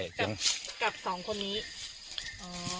กับสองคนนี้